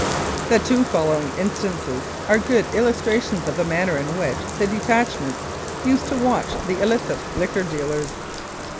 The two following instances are good illustrations of the manner in which the detachments used to watch the illicit liquor dealers.